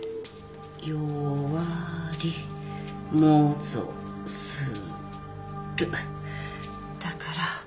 「よわりもぞする」だから。